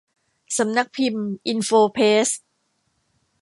สำนักพิมพ์อินโฟเพรส